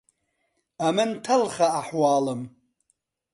ئەمن تەڵخە ئەحوالم